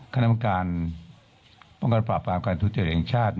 คำถามการปรับปราบการทุจริตแห่งชาติ